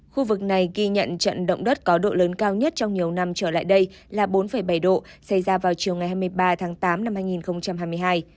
khu vực này ghi nhận trận động đất có độ lớn cao nhất trong nhiều năm trở lại đây là bốn bảy độ xảy ra vào chiều ngày hai mươi ba tháng tám năm hai nghìn hai mươi hai